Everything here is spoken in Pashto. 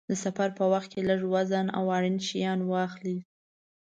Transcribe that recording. د سفر په وخت کې لږ وزن او اړین شیان واخلئ.